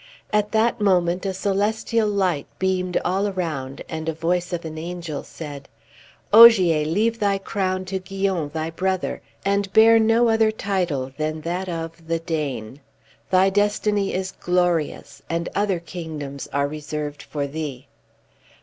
At that moment a celestial light beamed all around, and a voice of an angel said, "Ogier, leave thy crown to Guyon, thy brother, and bear no other title than that of 'The Dane.' Thy destiny is glorious, and other kingdoms are reserved for thee."